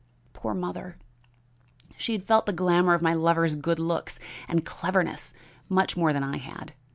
Poor mother! she had felt the glamour of my lover's good looks and cleverness much more than I had.